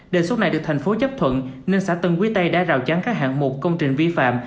đề xuất này được thành phố chấp thuận nên xã tân quý tây đã rào chắn các hạng mục công trình vi phạm